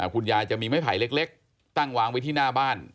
คุณยายจะมีไม้ไผ่เล็กตั้งวางไว้ที่หน้าบ้าน